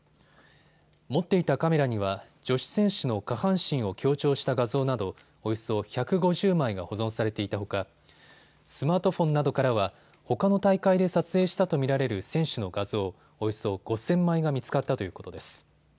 持っていたカメラには女子選手の下半身を強調した画像などおよそ１５０枚が保存されていたほかスマートフォンなどからはほかの大会で撮影したと見られる選手の画像、およそ５０００枚が見つかったということです。